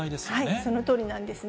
そのとおりなんですね。